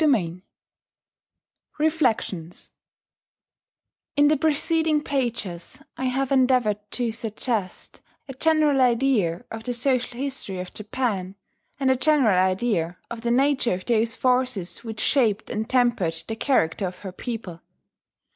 REFLECTIONS In the preceding pages I have endeavoured to suggest a general idea of the social history of Japan, and a general idea of the nature of those forces which shaped and tempered the character of her people.